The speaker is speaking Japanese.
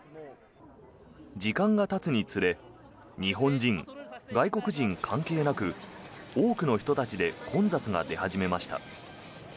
時間がたつにつれ日本人、外国人関係なく多くの人たちで混雑が出始めました。